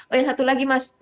oh yang satu lagi mas